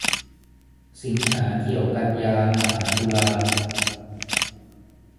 สิงหาเกี่ยวกันยามาหาตุลา